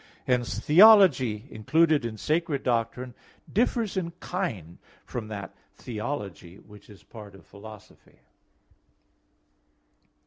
Hence theology included in sacred doctrine differs in kind from that theology which is part of philosophy.